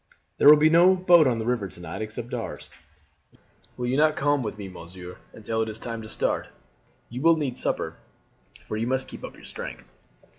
There will be no boat out on the river to night except ours. Will you not come home with me, monsieur, until it is time to start? You will need supper, for you must keep up your strength."